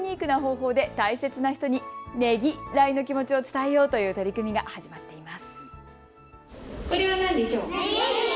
こんなユニークな方法で大切な人にねぎらいの気持ちを伝えようという取り組みが始まっています。